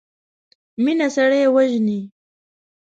مينه سړی وژني.